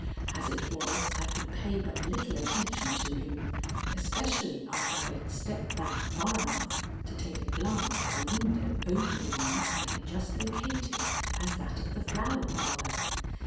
As it was, I could pay but little attention to him, especially after I had stepped back far enough to take a glance at the window over the one I had just located as that of the Flower Parlor.